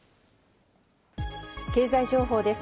経済情報です。